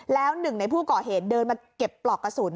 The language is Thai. แล้วหนึ่งในผู้ก่อเหตุเดินมาเก็บปลอกกระสุน